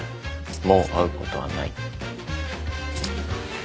もう会うことはない。